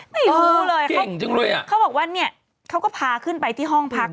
ไม่รู้เลยเขาบอกว่าเขาก็พาเขึ้นไปที่ห้องพัก